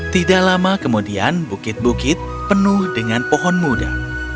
tidak lama kemudian bukit bukit penuh dengan pohon muda